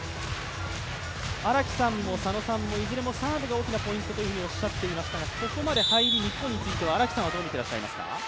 荒木さんも佐野さんもいずれもサーブが大きなポイントとおっしゃっていましたがここまでの入り、日本についてはどう見ていますか。